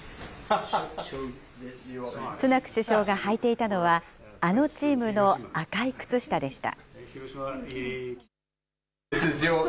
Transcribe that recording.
スナク首相が履いていたのは、あのチームの赤い靴下でした。